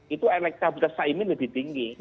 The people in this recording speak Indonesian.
itu elektabilitas caimin lebih tinggi